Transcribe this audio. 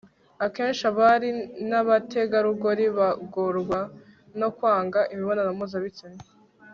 akenshi abari n'abategarugori bagorwa no kwanga imibonano mpuzabitsina